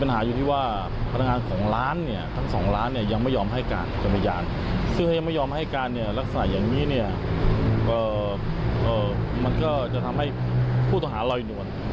เป็นก็จะทำให้ผู้ห่าลอยหน่วน